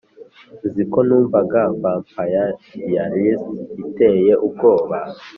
uziko numvaga vampire diaries iteye ubwoba